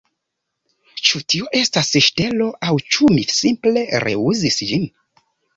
Ĉu tio estas ŝtelo aŭ ĉu mi simple reuzis ĝin